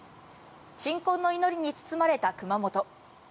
鎮魂の祈りに包まれた熊本。